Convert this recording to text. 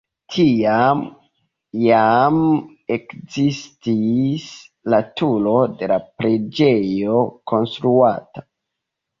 Tiam jam ekzistis la turo de la preĝejo konstruata.